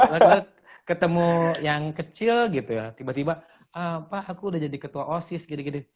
lalu ketemu yang kecil gitu ya tiba tiba pak aku udah jadi ketua osis gini gini